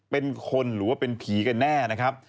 เป็นคนหรือว่าเป็นผีกันแน่นะครับ